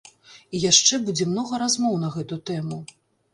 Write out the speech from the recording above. І яшчэ будзе многа размоў на гэту тэму.